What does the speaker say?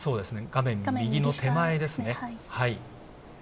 画面右の手前ですね。